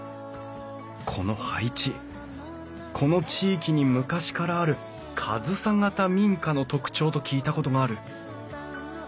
この配置この地域に昔からある上総型民家の特徴と聞いたことがある。